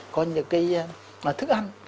có những cái thức ăn